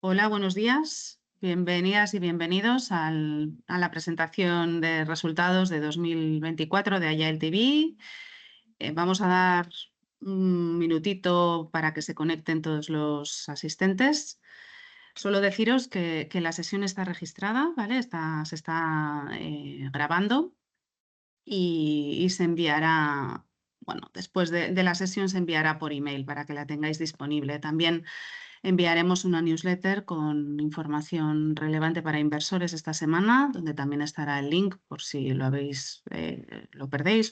Hola, buenos días. Bienvenidas y bienvenidos a la presentación de resultados de 2024 de Agile TV. Vamos a dar un minutito para que se conecten todos los asistentes. Solo deciros que la sesión está registrada, se está grabando y se enviará después de la sesión por email para que la tengáis disponible. También enviaremos una newsletter con información relevante para inversores esta semana, donde también estará el link por si lo perdéis,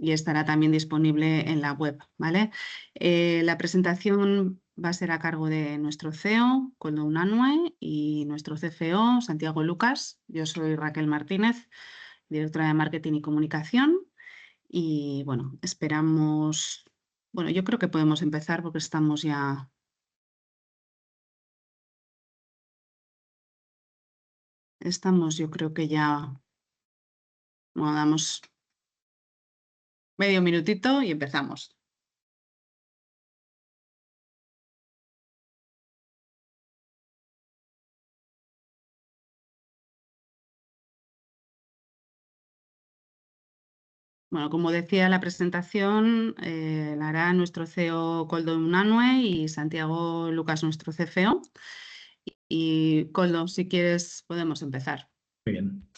y estará también disponible en la web. La presentación va a ser a cargo de nuestro CEO, Colm Annwe, y nuestro CFO, Santiago Lucas. Yo soy Raquel Martínez, Directora de Marketing y Comunicación, y esperamos... Creo que podemos empezar porque estamos ya... Damos medio minutito y empezamos. Bueno, como decía, la presentación la hará nuestro CEO, Colm Annwe, y Santiago Lucas, nuestro CFO. Y Colm, si quieres, podemos empezar. Muy bien.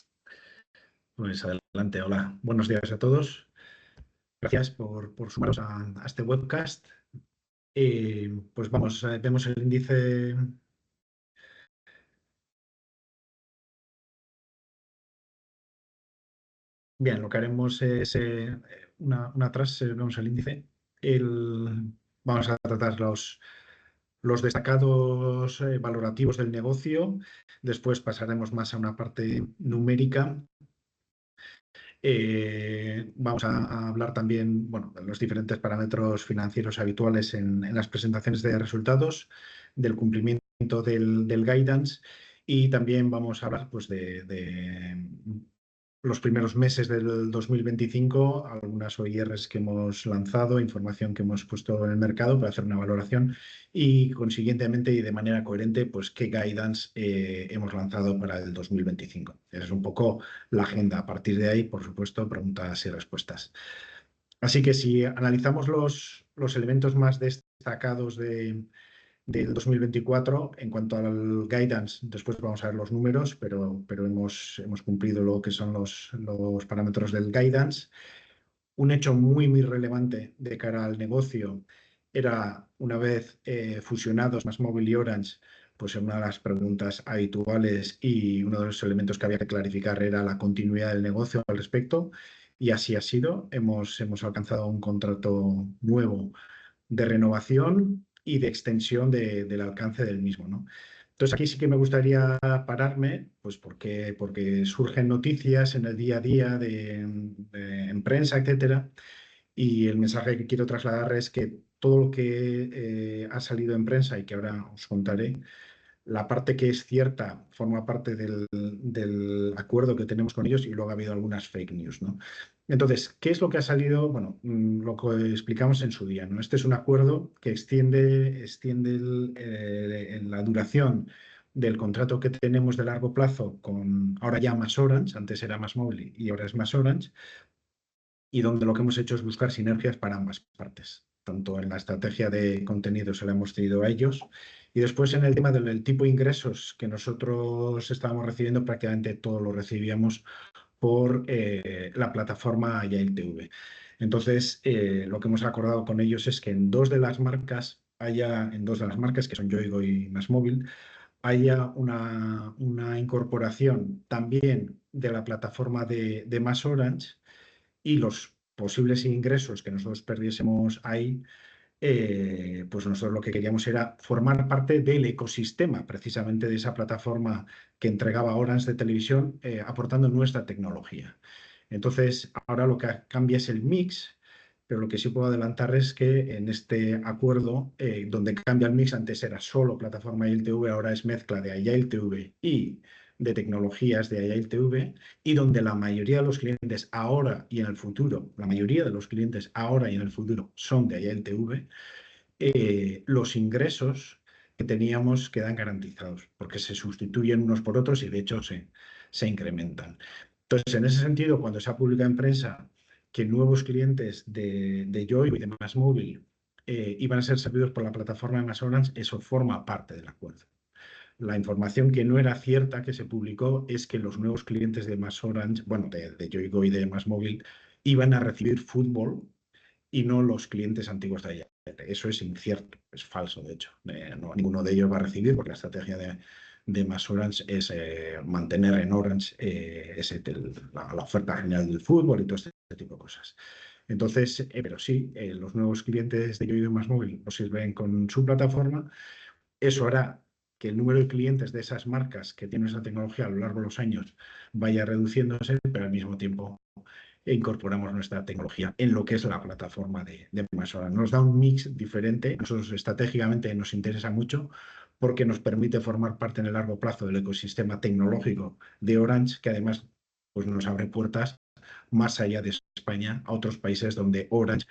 Pues adelante, hola, buenos días a todos. Gracias por sumaros a este webcast. Pues vamos, vemos el índice. Bien, lo que haremos es una vez vemos el índice, vamos a tratar los destacados valorativos del negocio, después pasaremos más a una parte numérica. Vamos a hablar también de los diferentes parámetros financieros habituales en las presentaciones de resultados, del cumplimiento del guidance, y también vamos a hablar de los primeros meses del 2025, algunas OPAs que hemos lanzado, información que hemos puesto en el mercado para hacer una valoración, y consiguientemente, y de manera coherente, qué guidance hemos lanzado para el 2025. Esa es un poco la agenda. A partir de ahí, por supuesto, preguntas y respuestas. Si analizamos los elementos más destacados del 2024, en cuanto al guidance, después vamos a ver los números, pero hemos cumplido lo que son los parámetros del guidance. Un hecho muy relevante de cara al negocio era, una vez fusionados MassMobile y Orange, una de las preguntas habituales y uno de los elementos que había que clarificar era la continuidad del negocio al respecto, y así ha sido. Hemos alcanzado un contrato nuevo de renovación y de extensión del alcance del mismo. Entonces, aquí sí que me gustaría pararme, porque surgen noticias en el día a día en prensa, etcétera, y el mensaje que quiero trasladar es que todo lo que ha salido en prensa y que ahora os contaré, la parte que es cierta, forma parte del acuerdo que tenemos con ellos, y luego ha habido algunas noticias falsas. Entonces, ¿qué es lo que ha salido? Bueno, lo que explicamos en su día. Este es un acuerdo que extiende la duración del contrato que tenemos de largo plazo con ahora ya MasOrange, antes era MasMóvil y ahora es MasOrange, y donde lo que hemos hecho es buscar sinergias para ambas partes, tanto en la estrategia de contenidos que le hemos traído a ellos, y después en el tema del tipo de ingresos que nosotros estábamos recibiendo, prácticamente todo lo recibíamos por la plataforma Agile TV. Entonces, lo que hemos acordado con ellos es que en dos de las marcas, en dos de las marcas que son Yoigo y MasMóvil, haya una incorporación también de la plataforma de MasOrange, y los posibles ingresos que nosotros perdiésemos ahí, nosotros lo que queríamos era formar parte del ecosistema, precisamente de esa plataforma que entregaba Orange de televisión, aportando nuestra tecnología. Entonces, ahora lo que cambia es el mix, pero lo que sí puedo adelantar es que en este acuerdo, donde cambia el mix, antes era solo plataforma Agile TV, ahora es mezcla de Agile TV y de tecnologías de Agile TV, y donde la mayoría de los clientes ahora y en el futuro, la mayoría de los clientes ahora y en el futuro son de Agile TV, los ingresos que teníamos quedan garantizados, porque se sustituyen unos por otros y de hecho se incrementan. En ese sentido, cuando se ha publicado en prensa que nuevos clientes de Yoigo y de MassMobile iban a ser servidos por la plataforma de MassOrange, eso forma parte del acuerdo. La información que no era cierta que se publicó es que los nuevos clientes de MassOrange, bueno, de Yoigo y de MassMobile, iban a recibir fútbol y no los clientes antiguos de Agile TV. Eso es incierto, es falso de hecho, ninguno de ellos va a recibir, porque la estrategia de MasOrange es mantener en Orange la oferta general del fútbol y todo este tipo de cosas. Entonces, pero sí, los nuevos clientes de Yoigo y de MasMobile nos sirven con su plataforma, eso hará que el número de clientes de esas marcas que tienen esa tecnología a lo largo de los años vaya reduciéndose, pero al mismo tiempo incorporamos nuestra tecnología en lo que es la plataforma de MasOrange. Nos da un mix diferente, a nosotros estratégicamente nos interesa mucho, porque nos permite formar parte en el largo plazo del ecosistema tecnológico de Orange, que además nos abre puertas más allá de España a otros países donde Orange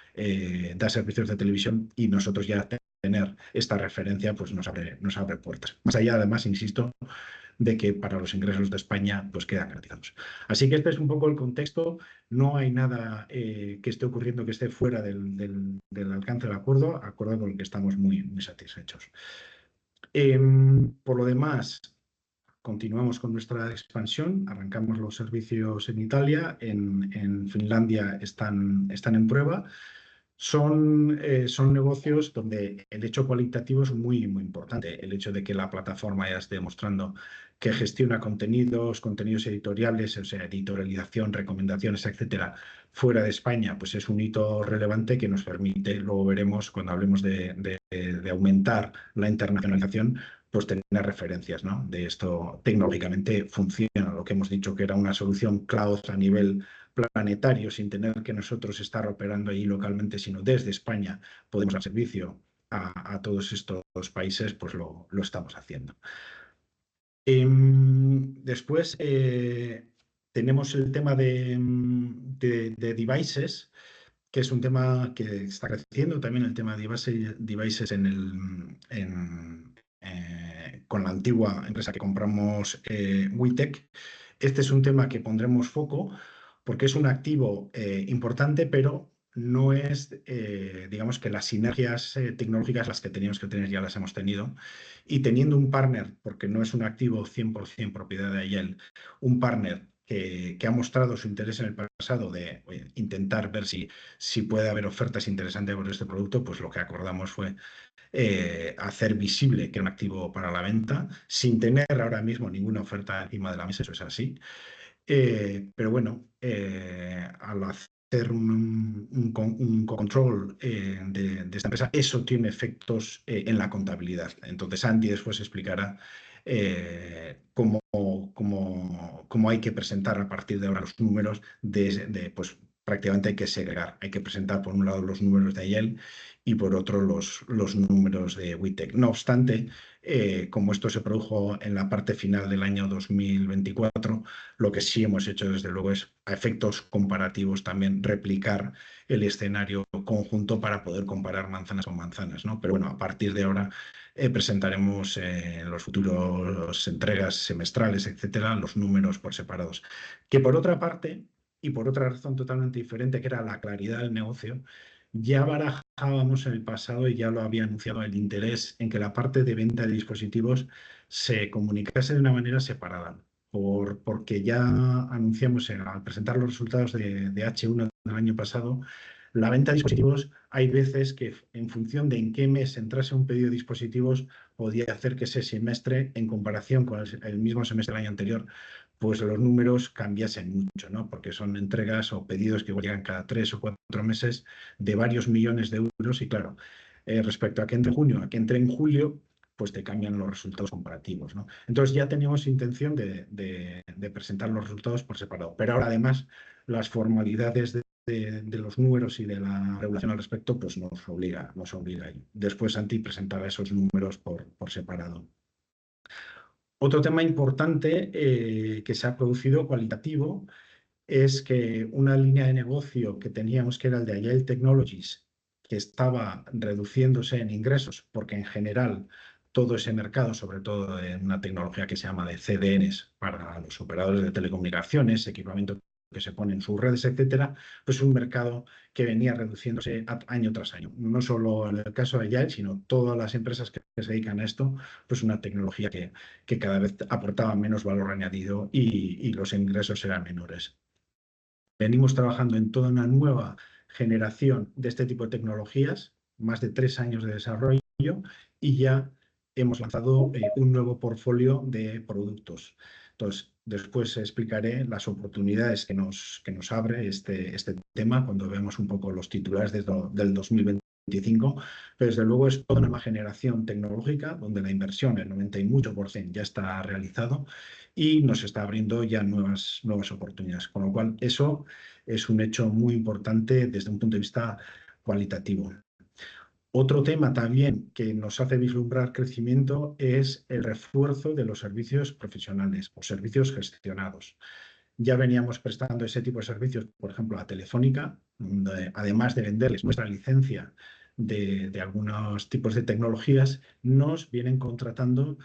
da servicios de televisión y nosotros ya tener esta referencia nos abre puertas. Más allá, además, insisto, de que para los ingresos de España quedan garantizados. Así que este es un poco el contexto, no hay nada que esté ocurriendo que esté fuera del alcance del acuerdo, acuerdo con el que estamos muy satisfechos. Por lo demás, continuamos con nuestra expansión, arrancamos los servicios en Italia, en Finlandia están en prueba. Son negocios donde el hecho cualitativo es muy importante, el hecho de que la plataforma ya esté demostrando que gestiona contenidos, contenidos editoriales, o sea, editorialización, recomendaciones, etcétera, fuera de España, es un hito relevante que nos permite, luego veremos cuando hablemos de aumentar la internacionalización, tener referencias de esto tecnológicamente funciona, lo que hemos dicho que era una solución cloud a nivel planetario, sin tener que nosotros estar operando ahí localmente, sino desde España podemos dar servicio a todos estos países, lo estamos haciendo. Después tenemos el tema de devices, que es un tema que está creciendo, también el tema de devices con la antigua empresa que compramos WeTech. Este es un tema que pondremos foco, porque es un activo importante, pero no es, digamos, que las sinergias tecnológicas las que teníamos que tener ya las hemos tenido, y teniendo un partner, porque no es un activo 100% propiedad de Agile, un partner que ha mostrado su interés en el pasado de intentar ver si puede haber ofertas interesantes por este producto, lo que acordamos fue hacer visible que era un activo para la venta, sin tener ahora mismo ninguna oferta encima de la mesa, eso es así. Pero bueno, al hacer un control de esta empresa, eso tiene efectos en la contabilidad. Entonces, Andy después explicará cómo hay que presentar a partir de ahora los números. Prácticamente hay que segregar, hay que presentar por un lado los números de Agile y por otro los números de WeTech. No obstante, como esto se produjo en la parte final del año 2024, lo que sí hemos hecho, desde luego, es a efectos comparativos también replicar el escenario conjunto para poder comparar manzanas con manzanas. A partir de ahora presentaremos en las futuras entregas semestrales, etcétera, los números por separado. Que por otra parte, y por otra razón totalmente diferente, que era la claridad del negocio, ya barajábamos en el pasado y ya lo había anunciado el interés en que la parte de venta de dispositivos se comunicase de una manera separada, porque ya anunciamos al presentar los resultados de H1 del año pasado, la venta de dispositivos, hay veces que en función de en qué mes entrase un pedido de dispositivos podía hacer que ese semestre, en comparación con el mismo semestre del año anterior, los números cambiasen mucho, porque son entregas o pedidos que igual llegan cada tres o cuatro meses de varios millones de euros. Y claro, respecto a que entre junio, a que entre en julio, te cambian los resultados comparativos. Entonces, ya teníamos intención de presentar los resultados por separado, pero ahora además las formalidades de los números y de la regulación al respecto nos obliga ahí. Después, Andy presentará esos números por separado. Otro tema importante que se ha producido cualitativo es que una línea de negocio que teníamos, que era el de Agile Technologies, que estaba reduciéndose en ingresos, porque en general todo ese mercado, sobre todo en una tecnología que se llama de CDNs para los operadores de telecomunicaciones, equipamiento que se pone en sus redes, etcétera, es un mercado que venía reduciéndose año tras año, no solo en el caso de Agile, sino todas las empresas que se dedican a esto, una tecnología que cada vez aportaba menos valor añadido y los ingresos eran menores. Venimos trabajando en toda una nueva generación de este tipo de tecnologías, más de tres años de desarrollo, y ya hemos lanzado un nuevo portfolio de productos. Entonces, después explicaré las oportunidades que nos abre este tema cuando veamos un poco los titulares del 2025, pero desde luego es toda una nueva generación tecnológica donde la inversión, el 90% y mucho, ya está realizada y nos está abriendo ya nuevas oportunidades, con lo cual eso es un hecho muy importante desde un punto de vista cualitativo. Otro tema también que nos hace vislumbrar crecimiento es el refuerzo de los servicios profesionales o servicios gestionados. Ya veníamos prestando ese tipo de servicios, por ejemplo, a Telefónica, además de venderles nuestra licencia de algunos tipos de tecnologías, nos vienen contratando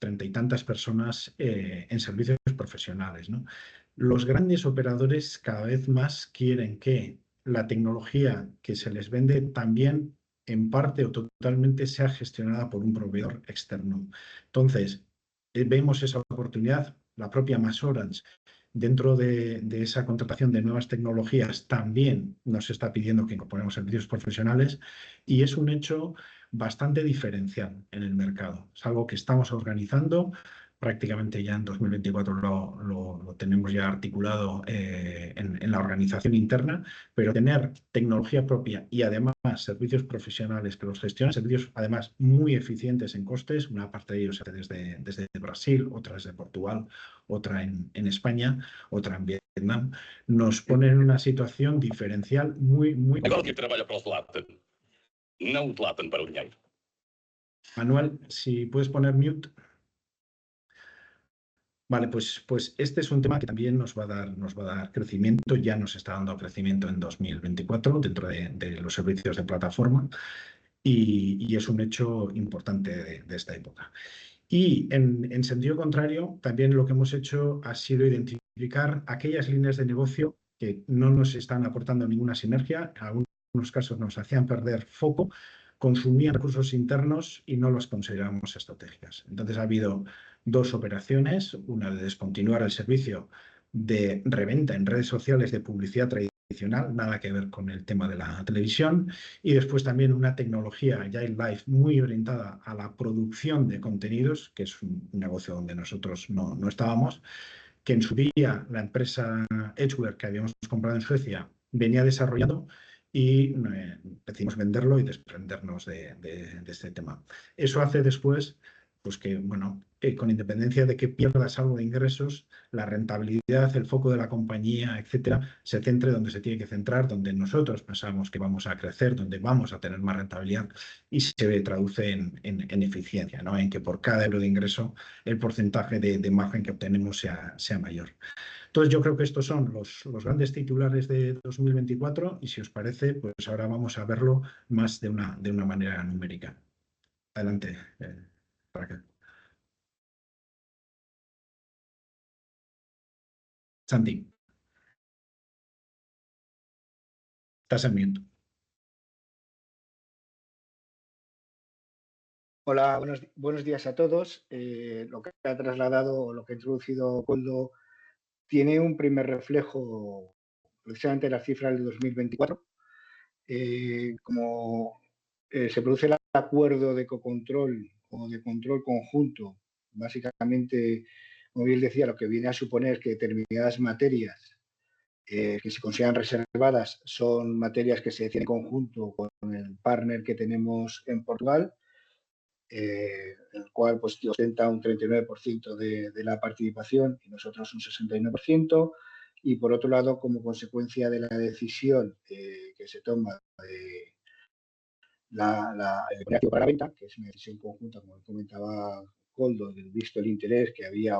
treinta y tantas personas en servicios profesionales. Los grandes operadores cada vez más quieren que la tecnología que se les vende también en parte o totalmente sea gestionada por un proveedor externo. Entonces, vemos esa oportunidad, la propia MassOrange, dentro de esa contratación de nuevas tecnologías, también nos está pidiendo que incorporemos servicios profesionales, y es un hecho bastante diferencial en el mercado. Es algo que estamos organizando, prácticamente ya en 2024 lo tenemos ya articulado en la organización interna, pero tener tecnología propia y además servicios profesionales que los gestionan, servicios además muy eficientes en costes, una parte de ellos desde Brasil, otra desde Portugal, otra en España, otra en Vietnam, nos pone en una situación diferencial muy, muy buena. Igual que treballa per la Zlatan, no ho Zlatan per un lloc. Manuel, si puedes poner mute. Vale, pues este es un tema que también nos va a dar crecimiento, ya nos está dando crecimiento en 2024 dentro de los servicios de plataforma, y es un hecho importante de esta época. En sentido contrario, también lo que hemos hecho ha sido identificar aquellas líneas de negocio que no nos están aportando ninguna sinergia, en algunos casos nos hacían perder foco, consumían recursos internos y no las considerábamos estratégicas. Entonces, ha habido dos operaciones, una de descontinuar el servicio de reventa en redes sociales de publicidad tradicional, nada que ver con el tema de la televisión, y después también una tecnología Agile Life muy orientada a la producción de contenidos, que es un negocio donde nosotros no estábamos, que en su día la empresa Edgeware que habíamos comprado en Suecia venía desarrollando, y decidimos venderlo y desprendernos de este tema. Eso hace después que, con independencia de que pierdas algo de ingresos, la rentabilidad, el foco de la compañía, etcétera, se centre donde se tiene que centrar, donde nosotros pensamos que vamos a crecer, donde vamos a tener más rentabilidad, y se traduce en eficiencia, en que por cada euro de ingreso el porcentaje de margen que obtenemos sea mayor. Entonces, yo creo que estos son los grandes titulares de 2024, y si os parece, ahora vamos a verlo más de una manera numérica. Adelante, Raquel. Santi, estás en mute. Hola, buenos días a todos. Lo que ha trasladado o lo que ha introducido Cooldo tiene un primer reflejo, precisamente en la cifra del 2024. Como se produce el acuerdo de cocontrol o de control conjunto, básicamente, como bien decía, lo que viene a suponer es que determinadas materias que se consideran reservadas son materias que se definen en conjunto con el partner que tenemos en Portugal, el cual ostenta un 39% de la participación y nosotros un 61%. Y por otro lado, como consecuencia de la decisión que se toma de la cooperativa para venta, que es una decisión conjunta, como comentaba Cooldo, visto el interés que había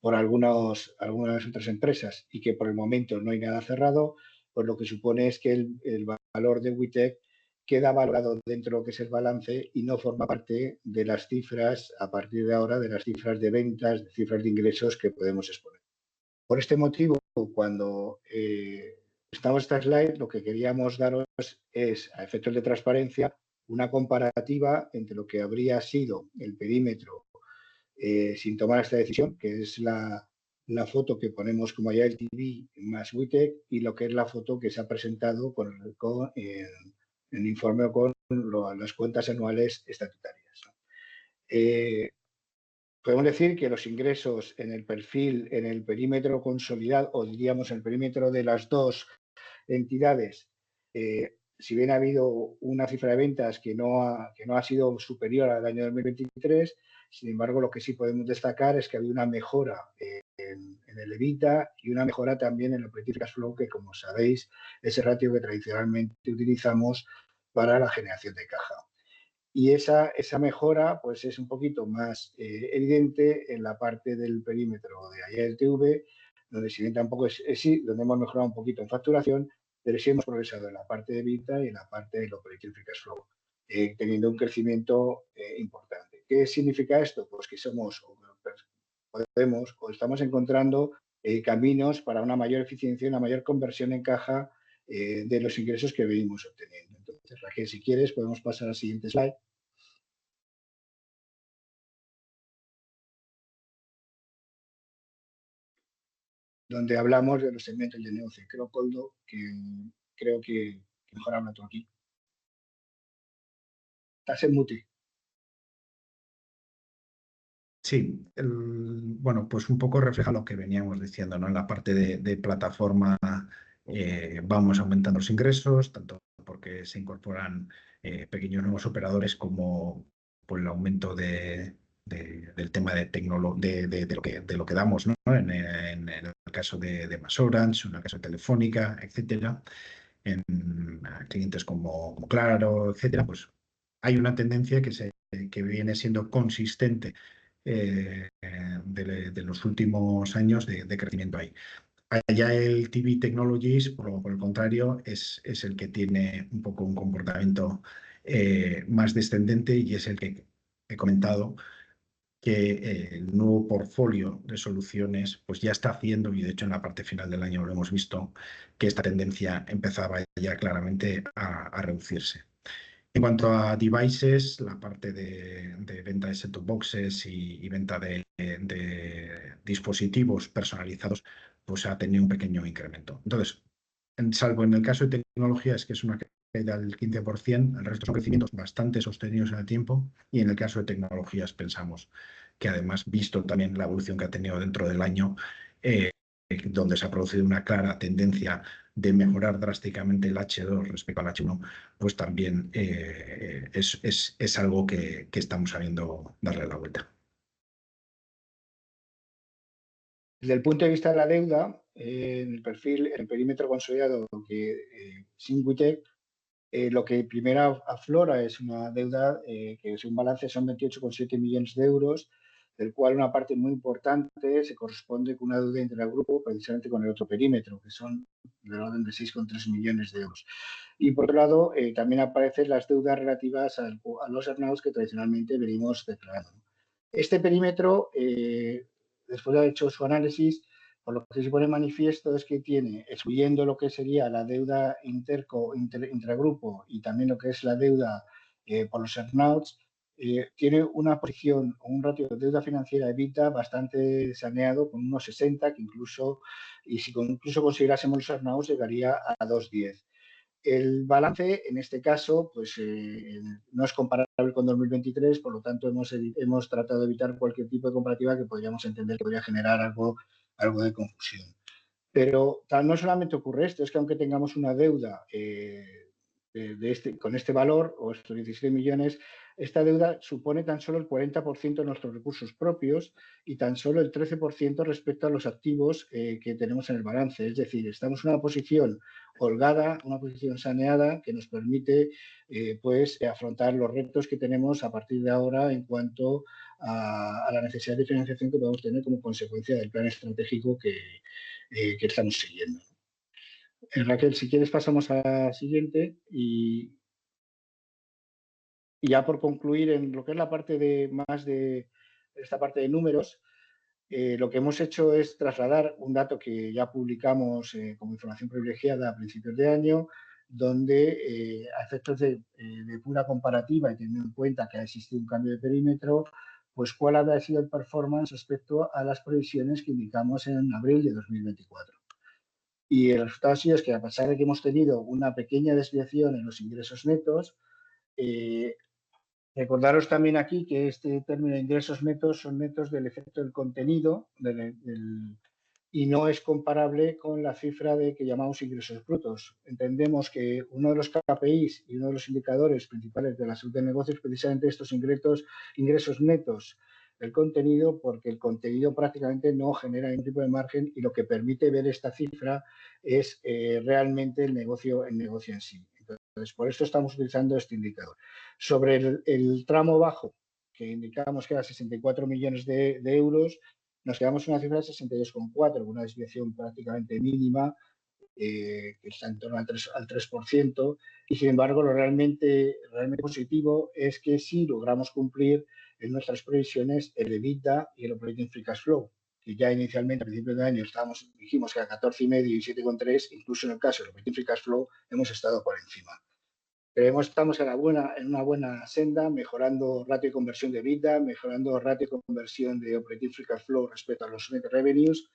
por algunas otras empresas y que por el momento no hay nada cerrado, lo que supone es que el valor de WeTech queda valorado dentro de lo que es el balance y no forma parte de las cifras a partir de ahora, de las cifras de ventas, de cifras de ingresos que podemos exponer. Por este motivo, cuando estamos en esta slide, lo que queríamos daros es, a efectos de transparencia, una comparativa entre lo que habría sido el perímetro sin tomar esta decisión, que es la foto que ponemos como Agile TV más WeTech y lo que es la foto que se ha presentado con el informe o con las cuentas anuales estatutarias. Podemos decir que los ingresos en el perímetro consolidado, o diríamos en el perímetro de las dos entidades, si bien ha habido una cifra de ventas que no ha sido superior al año 2023, sin embargo, lo que sí podemos destacar es que ha habido una mejora en el EBITDA y una mejora también en el operativo cash flow, que como sabéis es el ratio que tradicionalmente utilizamos para la generación de caja. Esa mejora es un poquito más evidente en la parte del perímetro de Agile TV, donde si bien tampoco es así, donde hemos mejorado un poquito en facturación, pero sí hemos progresado en la parte de EBITDA y en la parte del operativo cash flow, teniendo un crecimiento importante. ¿Qué significa esto? Que podemos o estamos encontrando caminos para una mayor eficiencia y una mayor conversión en caja de los ingresos que venimos obteniendo. Entonces, Raquel, si quieres, podemos pasar a la siguiente slide, donde hablamos de los segmentos de negocio. Creo, Cooldo, que creo que mejor hablas tú aquí. Estás en mute. Sí. Bueno, un poco refleja lo que veníamos diciendo, en la parte de plataforma vamos aumentando los ingresos, tanto porque se incorporan pequeños nuevos operadores como por el aumento del tema de lo que damos, en el caso de MassOrange, en el caso de Telefónica, etcétera, en clientes como Claro, etcétera. Hay una tendencia que viene siendo consistente de los últimos años de crecimiento ahí. Agile TV Technologies, por el contrario, es el que tiene un poco un comportamiento más descendente y es el que he comentado, que el nuevo portfolio de soluciones ya está haciendo, y de hecho en la parte final del año lo hemos visto, que esta tendencia empezaba ya claramente a reducirse. En cuanto a devices, la parte de venta de set-top boxes y venta de dispositivos personalizados ha tenido un pequeño incremento. Entonces, salvo en el caso de tecnologías, que es una caída del 15%, el resto son crecimientos bastante sostenidos en el tiempo, y en el caso de tecnologías pensamos que además, visto también la evolución que ha tenido dentro del año, donde se ha producido una clara tendencia de mejorar drásticamente el H2 respecto al H1, también es algo que estamos sabiendo darle la vuelta. Desde el punto de vista de la deuda, en el perímetro consolidado sin WeTech, lo que primero aflora es una deuda que es un balance, son €28,7 millones, del cual una parte muy importante se corresponde con una deuda intergrupo, precisamente con el otro perímetro, que son del orden de €6,3 millones. Por otro lado, también aparecen las deudas relativas a los earnouts que tradicionalmente venimos declarando. Este perímetro, después de haber hecho su análisis, por lo que se pone de manifiesto, es que tiene, excluyendo lo que sería la deuda intergrupo y también lo que es la deuda por los earnouts, tiene una proyección, un ratio de deuda financiera EBITDA bastante saneado, con unos 1,60, que incluso, si considerásemos los earnouts, llegaría a 2,10. El balance, en este caso, no es comparable con 2023, por lo tanto hemos tratado de evitar cualquier tipo de comparativa que podríamos entender que podría generar algo de confusión. Pero no solamente ocurre esto, es que aunque tengamos una deuda con este valor, o estos €17 millones, esta deuda supone tan solo el 40% de nuestros recursos propios y tan solo el 13% respecto a los activos que tenemos en el balance. Es decir, estamos en una posición holgada, una posición saneada, que nos permite afrontar los retos que tenemos a partir de ahora en cuanto a la necesidad de financiación que podemos tener como consecuencia del plan estratégico que estamos siguiendo. Raquel, si quieres, pasamos a la siguiente. Y ya por concluir, en lo que es la parte más de esta parte de números, lo que hemos hecho es trasladar un dato que ya publicamos como información privilegiada a principios de año, donde a efectos de pura comparativa y teniendo en cuenta que ha existido un cambio de perímetro, ¿cuál habrá sido el performance respecto a las previsiones que indicamos en abril de 2024? El resultado ha sido que, a pesar de que hemos tenido una pequeña desviación en los ingresos netos, recordaros también aquí que este término de ingresos netos son netos del efecto del contenido, y no es comparable con la cifra que llamamos ingresos brutos. Entendemos que uno de los KPIs y uno de los indicadores principales de la salud del negocio es precisamente estos ingresos netos del contenido, porque el contenido prácticamente no genera ningún tipo de margen, y lo que permite ver esta cifra es realmente el negocio en sí mismo. Entonces, por esto estamos utilizando este indicador. Sobre el tramo bajo, que indicamos que era €64 millones, nos quedamos con una cifra de €62,4 millones, una desviación prácticamente mínima, que está en torno al 3%. Sin embargo, lo realmente positivo es que sí logramos cumplir en nuestras previsiones el EBITDA y el operativo free cash flow, que ya inicialmente, a principios de año, dijimos que a €14,5 millones y €7,3 millones, incluso en el caso del operativo free cash flow, hemos estado por encima. Creemos que estamos en una buena senda, mejorando ratio y conversión de EBITDA, mejorando ratio y conversión de operativo free cash flow respecto a los net revenues,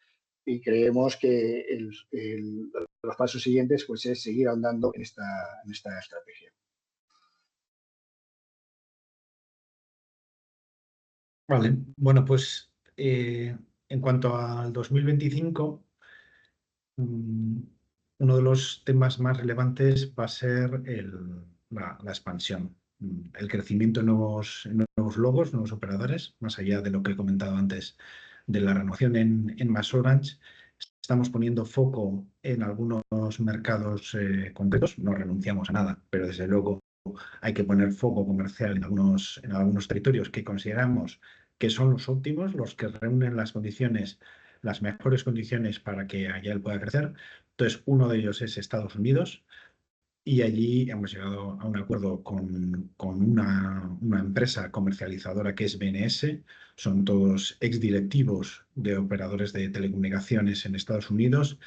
y creemos que los pasos siguientes es seguir andando en esta estrategia. Vale. Bueno, en cuanto al 2025, uno de los temas más relevantes va a ser la expansión, el crecimiento en nuevos logos, nuevos operadores, más allá de lo que he comentado antes de la renovación en MassOrange. Estamos poniendo foco en algunos mercados concretos, no renunciamos a nada, pero desde luego hay que poner foco comercial en algunos territorios que consideramos que son los óptimos, los que reúnen las mejores condiciones para que Agile pueda crecer. Entonces, uno de ellos es Estados Unidos, y allí hemos llegado a un acuerdo con una empresa comercializadora que es BNS, son todos exdirectivos de operadores de telecomunicaciones en Estados Unidos.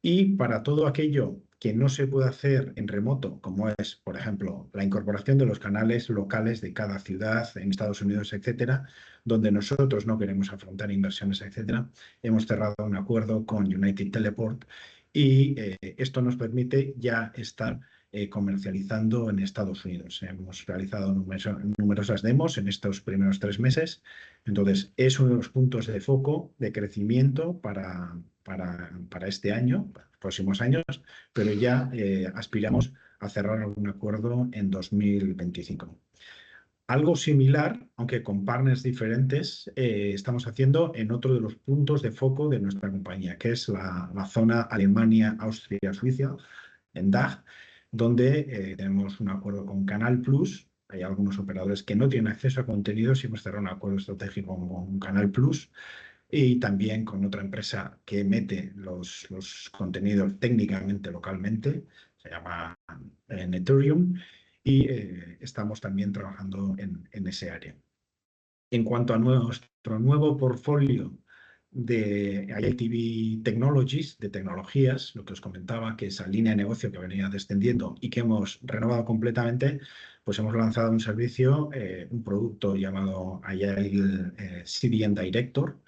Y para todo aquello que no se pueda hacer en remoto, como es, por ejemplo, la incorporación de los canales locales de cada ciudad en Estados Unidos, etcétera, donde nosotros no queremos afrontar inversiones, etcétera, hemos cerrado un acuerdo con United Teleport, y esto nos permite ya estar comercializando en Estados Unidos. Hemos realizado numerosas demos en estos primeros tres meses. Entonces, es uno de los puntos de foco de crecimiento para este año, para los próximos años, pero ya aspiramos a cerrar algún acuerdo en 2025. Algo similar, aunque con partners diferentes, estamos haciendo en otro de los puntos de foco de nuestra compañía, que es la zona Alemania, Austria, Suiza, en DACH, donde tenemos un acuerdo con Canal Plus. Hay algunos operadores que no tienen acceso a contenidos, y hemos cerrado un acuerdo estratégico con Canal Plus, y también con otra empresa que mete los contenidos técnicamente localmente, se llama Netorium, y estamos también trabajando en ese área. En cuanto a nuestro nuevo portfolio de Agile TV Technologies, de tecnologías, lo que os comentaba, que es la línea de negocio que venía descendiendo y que hemos renovado completamente, hemos lanzado un servicio, un producto llamado Agile CDN Director,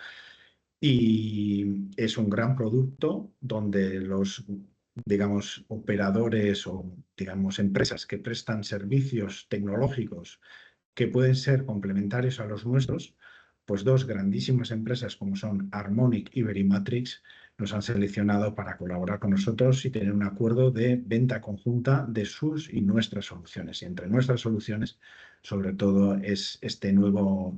y es un gran producto donde los operadores o empresas que prestan servicios tecnológicos que pueden ser complementarios a los nuestros, dos grandísimas empresas como son Harmoniq y Verimatrix, nos han seleccionado para colaborar con nosotros y tener un acuerdo de venta conjunta de sus y nuestras soluciones. Y entre nuestras soluciones, sobre todo, es este nuevo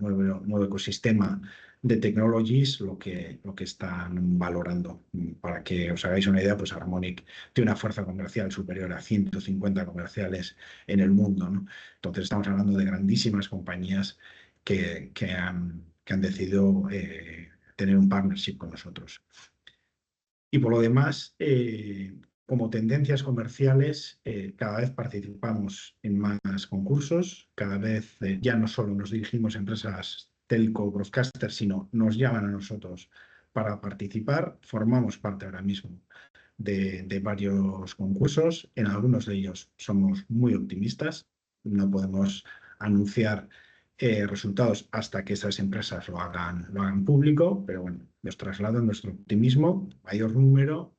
ecosistema de tecnologías lo que están valorando. Para que os hagáis una idea, Harmoniq tiene una fuerza comercial superior a 150 comerciales en el mundo. Entonces, estamos hablando de grandísimas compañías que han decidido tener un partnership con nosotros. Y por lo demás, como tendencias comerciales, cada vez participamos en más concursos, cada vez ya no solo nos dirigimos a empresas telco o broadcaster, sino nos llaman a nosotros para participar. Formamos parte ahora mismo de varios concursos, en algunos de ellos somos muy optimistas, no podemos anunciar resultados hasta que esas empresas lo hagan público, pero bueno, les traslado nuestro optimismo. Mayor número,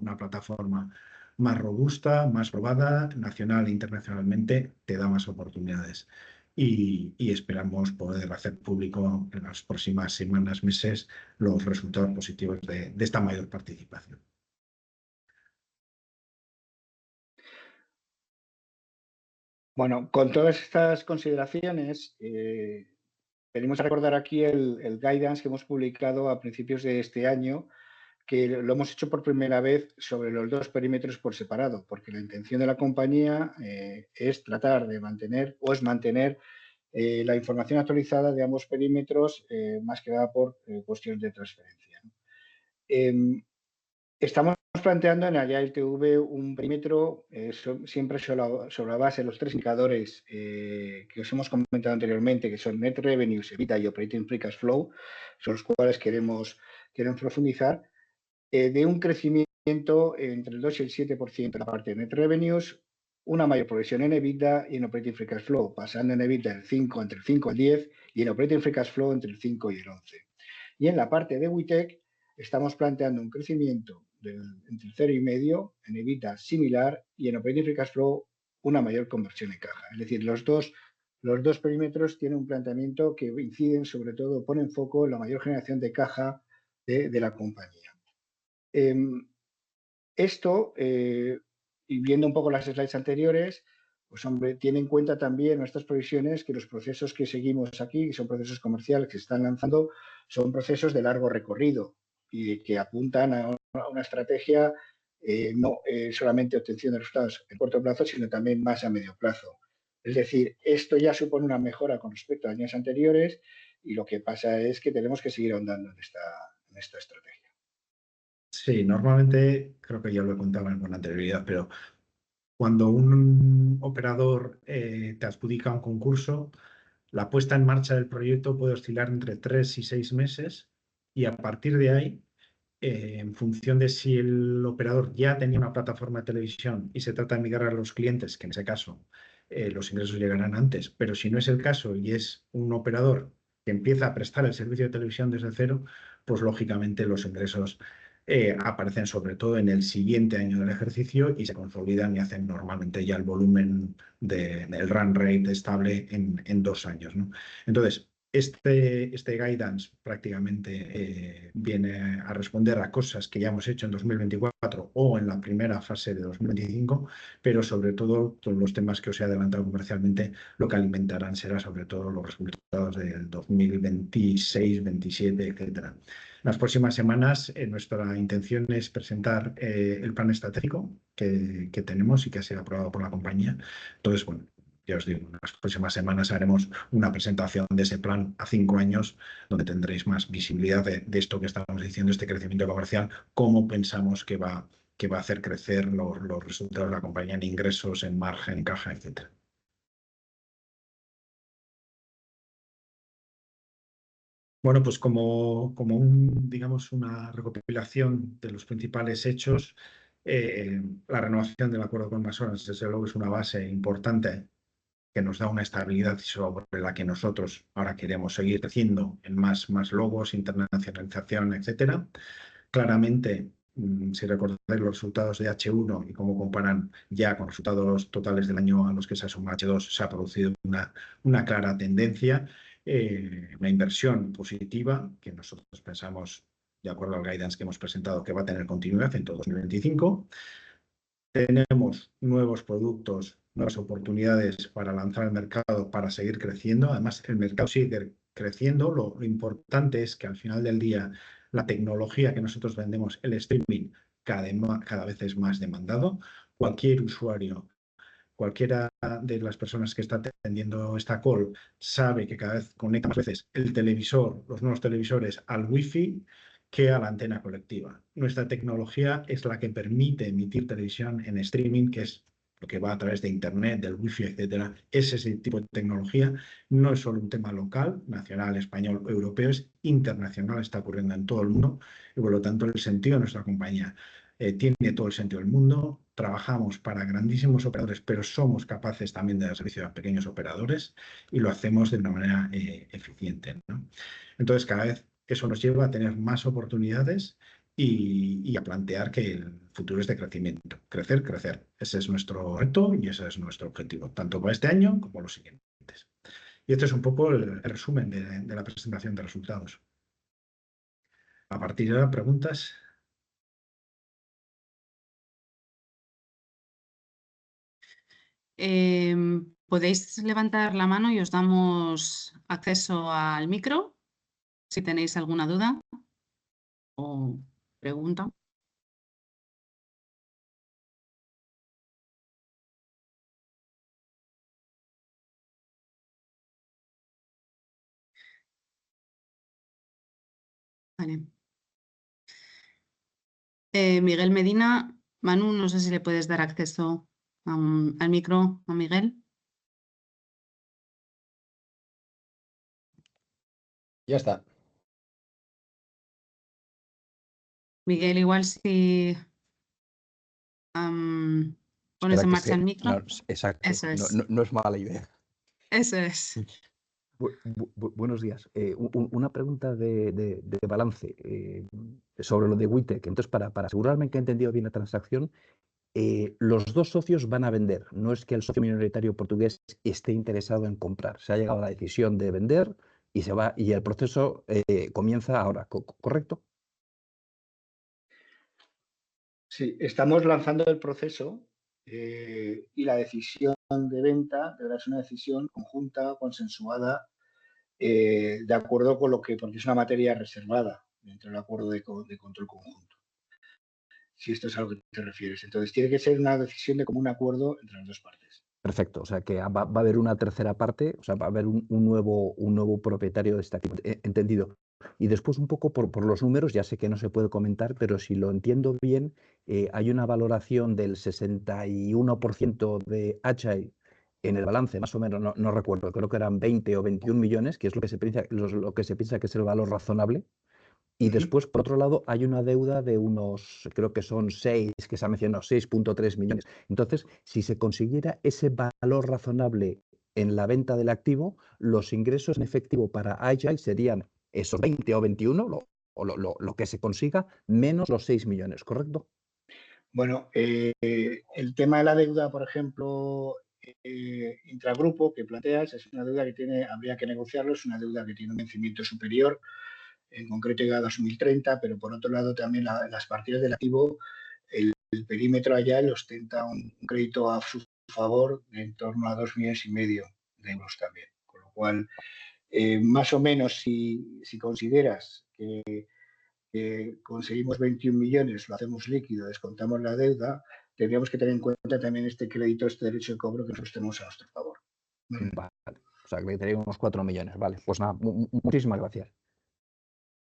una plataforma más robusta, más probada, nacional e internacionalmente, te da más oportunidades. Y esperamos poder hacer público en las próximas semanas, meses, los resultados positivos de esta mayor participación. Bueno, con todas estas consideraciones, queremos recordar aquí el guidance que hemos publicado a principios de este año, que lo hemos hecho por primera vez sobre los dos perímetros por separado, porque la intención de la compañía es tratar de mantener o es mantener la información actualizada de ambos perímetros, más que nada por cuestiones de transferencia. Estamos planteando en Agile TV un perímetro siempre sobre la base de los tres indicadores que os hemos comentado anteriormente, que son net revenues, EBITDA y operating free cash flow, sobre los cuales queremos profundizar, de un crecimiento entre el 2% y el 7% en la parte de net revenues, una mayor progresión en EBITDA y en operating free cash flow, pasando en EBITDA entre el 5% y el 10%, y en operating free cash flow entre el 5% y el 11%. Y en la parte de WeTech, estamos planteando un crecimiento entre el 0% y medio en EBITDA similar y en operating free cash flow una mayor conversión en caja. Es decir, los dos perímetros tienen un planteamiento que inciden, sobre todo, ponen foco en la mayor generación de caja de la compañía. Esto, y viendo un poco las slides anteriores, tiene en cuenta también nuestras previsiones que los procesos que seguimos aquí, que son procesos comerciales que se están lanzando, son procesos de largo recorrido y que apuntan a una estrategia no solamente de obtención de resultados a corto plazo, sino también más a medio plazo. Es decir, esto ya supone una mejora con respecto a años anteriores, y lo que pasa es que tenemos que seguir ahondando en esta estrategia. Sí, normalmente, creo que ya lo he contado en alguna anterioridad, pero cuando un operador te adjudica un concurso, la puesta en marcha del proyecto puede oscilar entre tres y seis meses, y a partir de ahí, en función de si el operador ya tenía una plataforma de televisión y se trata de migrar a los clientes, que en ese caso los ingresos llegarán antes, pero si no es el caso y es un operador que empieza a prestar el servicio de televisión desde cero, lógicamente los ingresos aparecen sobre todo en el siguiente año del ejercicio y se consolidan y hacen normalmente ya el volumen del run rate estable en dos años. Entonces, este guidance prácticamente viene a responder a cosas que ya hemos hecho en 2024 o en la primera fase de 2025, pero sobre todo todos los temas que os he adelantado comercialmente, lo que alimentarán será sobre todo los resultados del 2026, 2027, etcétera. En las próximas semanas, nuestra intención es presentar el plan estratégico que tenemos y que ha sido aprobado por la compañía. Entonces, ya os digo, en las próximas semanas haremos una presentación de ese plan a cinco años, donde tendréis más visibilidad de esto que estábamos diciendo, este crecimiento comercial, cómo pensamos que va a hacer crecer los resultados de la compañía en ingresos, en margen, en caja, etcétera. Bueno, como una recopilación de los principales hechos, la renovación del acuerdo con MassOrange, desde luego, es una base importante que nos da una estabilidad sobre la que nosotros ahora queremos seguir creciendo en más logos, internacionalización, etcétera. Claramente, si recordáis los resultados de H1 y cómo comparan ya con resultados totales del año a los que se ha sumado H2, se ha producido una clara tendencia, una inversión positiva que nosotros pensamos, de acuerdo al guidance que hemos presentado, que va a tener continuidad en todo 2025. Tenemos nuevos productos, nuevas oportunidades para lanzar al mercado, para seguir creciendo. Además, el mercado sigue creciendo. Lo importante es que al final del día la tecnología que nosotros vendemos, el streaming, cada vez es más demandado. Cualquier usuario, cualquiera de las personas que está atendiendo esta call, sabe que cada vez conecta más veces el televisor, los nuevos televisores, al wifi que a la antena colectiva. Nuestra tecnología es la que permite emitir televisión en streaming, que es lo que va a través de internet, del wifi, etcétera. Ese es el tipo de tecnología. No es solo un tema local, nacional, español o europeo, es internacional, está ocurriendo en todo el mundo. Y por lo tanto, el sentido de nuestra compañía tiene todo el sentido del mundo. Trabajamos para grandísimos operadores, pero somos capaces también de dar servicio a pequeños operadores, y lo hacemos de una manera eficiente. Entonces, cada vez eso nos lleva a tener más oportunidades y a plantear que el futuro es de crecimiento. Crecer, crecer. Ese es nuestro reto y ese es nuestro objetivo, tanto para este año como los siguientes. Y este es un poco el resumen de la presentación de resultados. A partir de ahora, preguntas. Podéis levantar la mano y os damos acceso al micrófono, si tenéis alguna duda o pregunta. Vale. Miguel Medina, Manu, no sé si le puedes dar acceso al micrófono a Miguel. Ya está. Miguel, igual si pones en marcha el micrófono. Exacto. No es mala idea. Eso es. Buenos días. Una pregunta de balance sobre lo de WeTech. Entonces, para asegurarme de que he entendido bien la transacción, los dos socios van a vender. No es que el socio minoritario portugués esté interesado en comprar. Se ha llegado a la decisión de vender y el proceso comienza ahora, ¿correcto? Sí. Estamos lanzando el proceso y la decisión de venta deberá ser una decisión conjunta, consensuada, de acuerdo con lo que porque es una materia reservada dentro del acuerdo de control conjunto. Si esto es a lo que te refieres. Entonces, tiene que ser una decisión de común acuerdo entre las dos partes. Perfecto. O sea, que va a haber una tercera parte, o sea, va a haber un nuevo propietario de esta. Entendido. Y después, un poco por los números, ya sé que no se puede comentar, pero si lo entiendo bien, hay una valoración del 61% de Agile en el balance, más o menos, no recuerdo, creo que eran €20 o €21 millones, que es lo que se piensa que es el valor razonable. Y después, por otro lado, hay una deuda de unos, creo que son €6, que están mencionando, €6.3 millones. Entonces, si se consiguiera ese valor razonable en la venta del activo, los ingresos en efectivo para Agile serían esos €20 o €21, lo que se consiga, menos los €6 millones, ¿correcto? Bueno, el tema de la deuda, por ejemplo, intragrupo que planteas, es una deuda que habría que negociarla, es una deuda que tiene un vencimiento superior, en concreto llegada a 2030, pero por otro lado también las partidas del activo, el perímetro Agile ostenta un crédito a su favor de en torno a €2.5 millones también. Con lo cual, más o menos, si consideras que conseguimos €21 millones, lo hacemos líquido, descontamos la deuda, tendríamos que tener en cuenta también este crédito, este derecho de cobro que nosotros tenemos a nuestro favor. Vale. O sea, que tendríamos €4 millones. Vale. Pues nada, muchísimas gracias.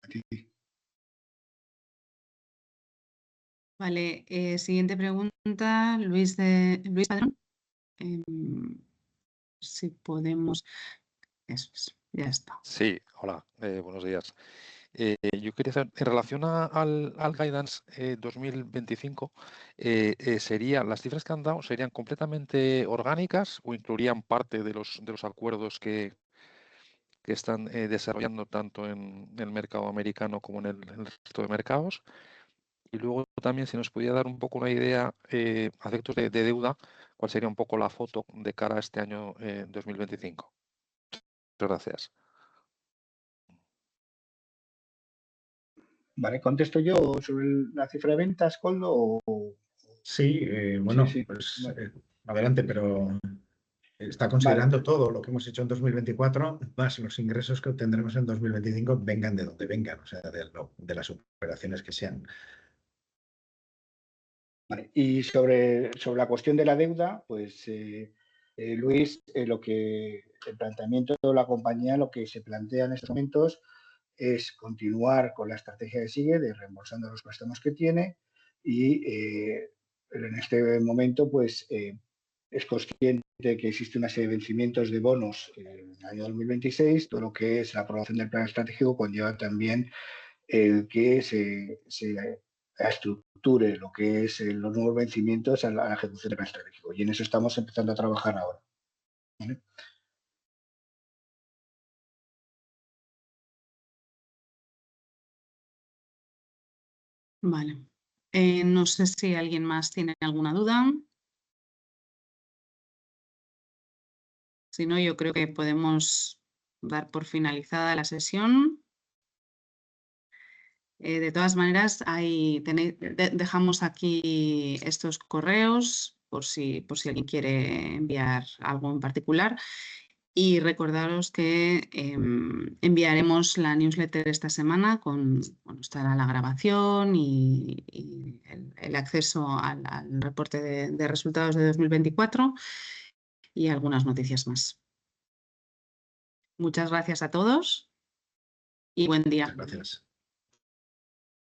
A ti. Vale. Siguiente pregunta, Luis Padrón. Si podemos. Eso es. Ya está. Sí. Hola, buenos días. Yo quería hacer, en relación al guidance 2025, las cifras que han dado serían completamente orgánicas o incluirían parte de los acuerdos que están desarrollando tanto en el mercado americano como en el resto de mercados? Y luego también, si nos pudiera dar un poco una idea, a efectos de deuda, cuál sería un poco la foto de cara a este año 2025. Muchas gracias. Vale. ¿Contesto yo sobre la cifra de ventas, Koldo, o? Sí. Bueno, adelante, pero está considerando todo lo que hemos hecho en 2024, más los ingresos que obtendremos en 2025, vengan de donde vengan, o sea, de las operaciones que sean. Vale. Y sobre la cuestión de la deuda, Luis, el planteamiento de la compañía, lo que se plantea en estos momentos es continuar con la estrategia que sigue, de reembolsar los préstamos que tiene. En este momento es consciente de que existe una serie de vencimientos de bonos en el año 2026. Todo lo que es la aprobación del plan estratégico conlleva también el que se estructure lo que son los nuevos vencimientos a la ejecución del plan estratégico. En eso estamos empezando a trabajar ahora. Vale. No sé si alguien más tiene alguna duda. Si no, yo creo que podemos dar por finalizada la sesión. De todas maneras, dejamos aquí estos correos por si alguien quiere enviar algo en particular. Y recordaros que enviaremos la newsletter esta semana, donde estará la grabación y el acceso al reporte de resultados de 2024 y algunas noticias más. Muchas gracias a todos y buen día. Gracias.